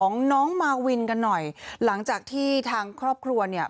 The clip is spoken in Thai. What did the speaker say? ของน้องมาวินกันหน่อยหลังจากที่ทางครอบครัวเนี่ย